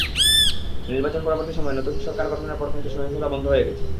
নির্বাচন-পরবর্তী সময়ে নতুন সরকার গঠনের পরে কিন্তু সহিংসতা বন্ধ হয়ে গেছে।